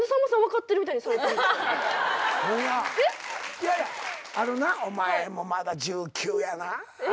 いやいやあのなお前もまだ１９やな。